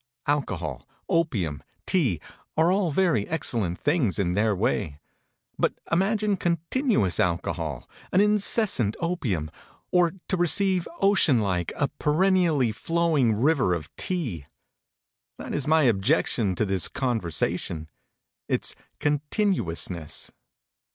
Alcohol, opium, tea, are all very excellent things in their way; but imagine continuous alcohol, an incessant opium, or to receive, ocean like, a perennially flowing river of tea! That is my objection to this conversation: its continuousness.